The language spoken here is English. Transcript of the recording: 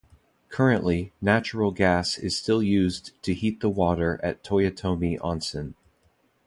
Currently, natural gas is still used to heat the water at Toyotomi Onsen.